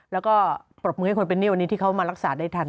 แล้วก็ปรบมือให้คนเป็นนิ้วนี้ที่เขามารักษาได้ทัน